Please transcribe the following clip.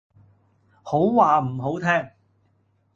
好話唔好聽